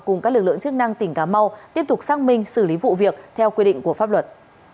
cùng các lực lượng chức năng tỉnh cà mau tiếp tục xác minh xử lý vụ việc theo quy định của pháp luật